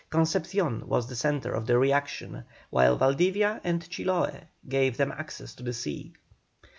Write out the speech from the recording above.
Concepcion was the centre of the reaction, while Valdivia and Chiloe gave them access to the sea.